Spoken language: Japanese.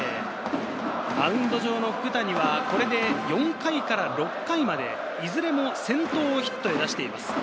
マウンド上の福谷はこれで４回から６回まで、いずれも先頭をヒットで出しています。